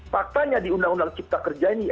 faktanya di undang undang cipta kerja ini